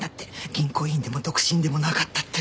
銀行員でも独身でもなかったって。